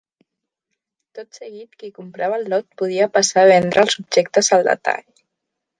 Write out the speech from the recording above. Tot seguit qui comprava el lot podia passar a vendre els objectes al detall.